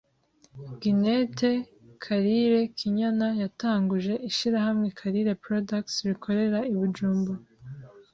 Ginette Karirekinyana yatanguje ishirahamwe Karire Products rikorera i Bujumbura